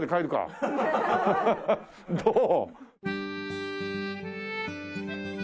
どう？